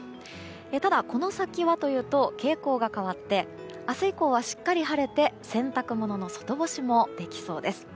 ただ、この先はというと傾向が変わって明日以降はしっかり晴れて洗濯物の外干しもできそうです。